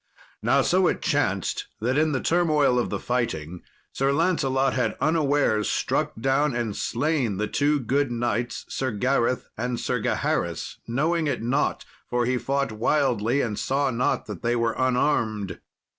Now so it chanced that, in the turmoil of the fighting, Sir Lancelot had unawares struck down and slain the two good knights Sir Gareth and Sir Gaheris, knowing it not, for he fought wildly, and saw not that they were unarmed.